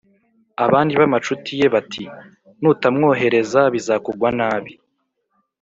” abandi b’amacuti ye bati: “nutamwohereza bizakugwa nabi”.